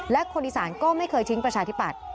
และคนอีสานก็ไม่เคยทิ้งประชาธิปัตย